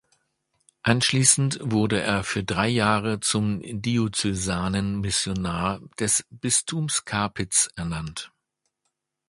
Anschließend wurde er für drei Jahre zum diözesanen Missionar des Bistums Capiz ernannt.